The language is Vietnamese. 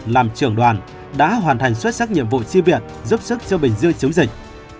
làm trưởng đoàn đã hoàn thành xuất sắc nhiệm vụ chi viện giúp sức cho bình dương chống dịch